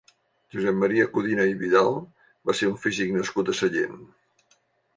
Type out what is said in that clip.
Josep Maria Codina i Vidal va ser un físic nascut a Sallent.